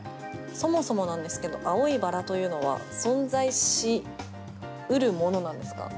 そもそもなんですけど青いバラというのは存在し得るものなんですか？